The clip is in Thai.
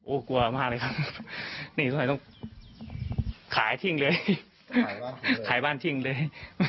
กลัวมากเลยครับนี่ทำไมต้องขายทิ้งเลยขายบ้านทิ้งเลย